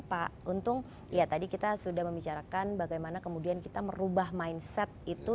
pak untung ya tadi kita sudah membicarakan bagaimana kemudian kita merubah mindset itu